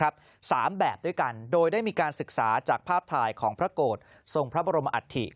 ๓แบบด้วยกันโดยได้มีการศึกษาจากภาพถ่ายของพระโกรธทรงพระบรมอัฐิ